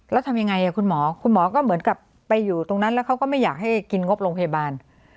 แล้วทำยังไงคุณหมอคุณหมอก็เหมือนกับไปอยู่ตรงนั้นแล้วเขาก็ไม่อยากให้กินงบโรงพยาบาล